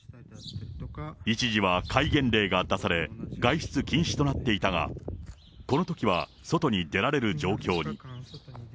一時は戒厳令が出され、外出禁止となっていたが、このときは外に出られる状況に。